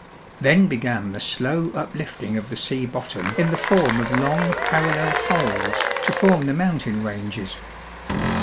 Then began the slow uplifting of the sea bottom in the form of long, parallel folds to form the mountain ranges.